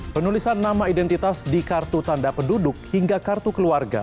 penulisan nama identitas di kartu tanda penduduk hingga kartu keluarga